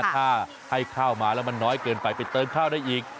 ถ้าให้ข้าวมาแล้วมันน้อยเกินไปไปเติมข้าวได้อีก